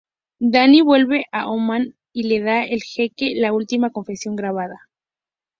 Danny vuelve a Omán y le da el jeque la última confesión grabada.